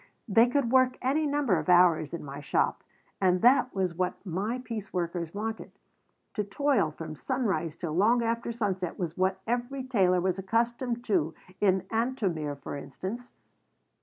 They could work any number of hours in my shop, and that was what my piece workers wanted. To toil from sunrise till long after sunset was what every tailor was accustomed to in Antomir, for instance.